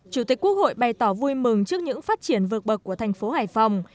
chủ tịch quốc hội bày tỏ vui mừng trước những phát triển vượt bậc của thành phố hải phòng